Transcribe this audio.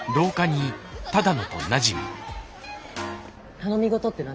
頼みごとって何？